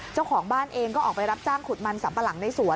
เจ้าของบ้านเองก็ออกไปรับจ้างขุดมันสัมปะหลังในสวน